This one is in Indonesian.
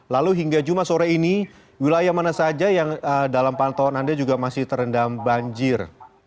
lalu hingga jumat sore ini wilayah mana saja yang dalam pantauan anda juga masih terendam banjir